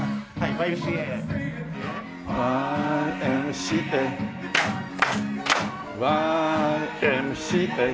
「Ｙ．Ｍ．Ｃ．Ａ．」